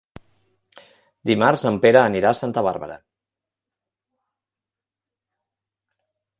Dimarts en Pere anirà a Santa Bàrbara.